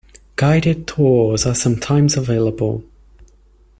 Guided tours are sometimes available.